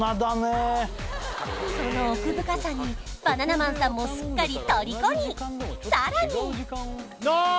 その奥深さにバナナマンさんもすっかりとりこにさらになあー！